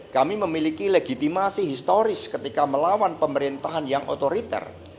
kami memiliki legitimasi historis ketika melawan pemerintahan yang otoriter